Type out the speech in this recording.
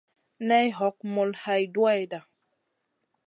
Nay hog mul hay duwayda.